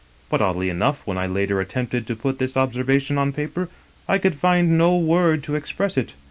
But, oddly enough, when I later attempted to put this observation on paper I could find no word to ex press it."